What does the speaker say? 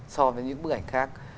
so với những bức ảnh khác